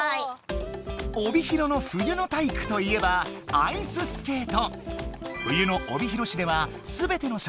帯広の冬の体育といえばアイススケート！